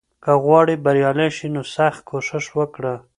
که غواړې بریالی شې، نو سخت کوښښ وکړه.